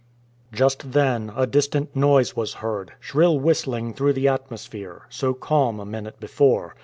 Just then a distant noise was heard, shrill whistling through the atmosphere, so calm a minute before.